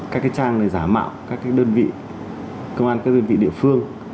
các trang giả mạo các đơn vị công an các đơn vị địa phương